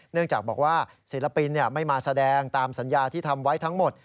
เนื่องจากบอกว่าศิลปินไม่มาแสดงตามสัญญาที่ทำไว้ทั้งหมด